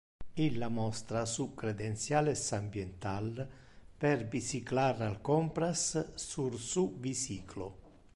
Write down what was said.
Illa monstra su credentiales ambiental per bicyclar al compras sur su bicyclo.